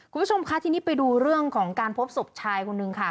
คุณผู้ชมคะทีนี้ไปดูเรื่องของการพบศพชายคนนึงค่ะ